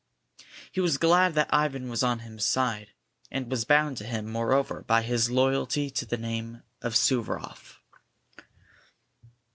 He was glad that Ivan was on his side, and was bound to him, moreover, by his loyalty to the name of Suvaroff.